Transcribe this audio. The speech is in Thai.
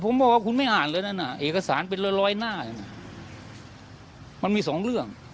ผมบอกว่าคุณไม่อ่านเลยนั่นน่ะเอกสารเป็นร้อยหน้ามันมีสองเรื่อง